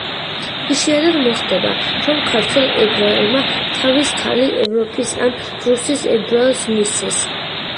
იშვიათად მოხდება, რომ ქართველ ებრაელმა თავის ქალი ევროპის, ან რუსის ებრაელს მისცეს.